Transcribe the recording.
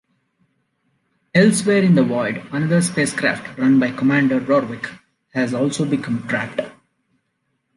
Elsewhere in the void, another spacecraft, run by Commander Rorvik, has also become trapped.